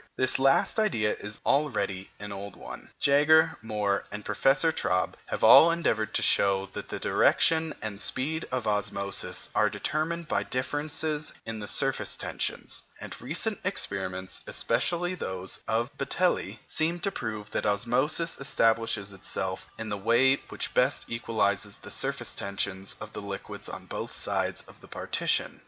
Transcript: This last idea is already an old one: Jager, More, and Professor Traube have all endeavoured to show that the direction and speed of osmosis are determined by differences in the surface tensions; and recent experiments, especially those of Batelli, seem to prove that osmosis establishes itself in the way which best equalizes the surface tensions of the liquids on both sides of the partition.